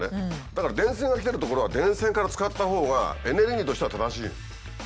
だから電線が来てる所は電線から使ったほうがエネルギーとしては正しいの。